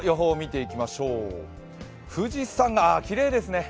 富士山がきれいですね。